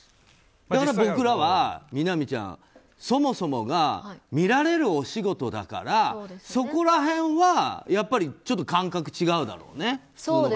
だから僕らは、みなみちゃんそもそもが見られるお仕事だからそこら辺は感覚が違うだろうね。